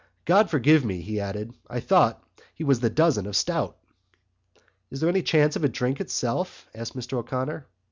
God forgive me," he added, "I thought he was the dozen of stout." "Is there any chance of a drink itself?" asked Mr O'Connor.